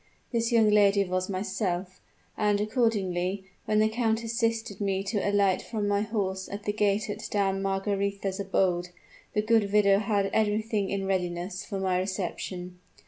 This young lady was myself; and accordingly, when the count assisted me to alight from my horse at the gate of Dame Margaretha's abode, the good widow had everything in readiness for my reception.